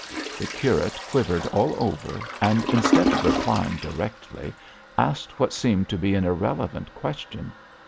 The curate quivered all over, and instead of replying directly, asked what seemed to be an irrelevant question.